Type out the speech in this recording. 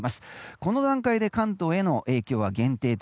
この段階で関東への影響は限定的。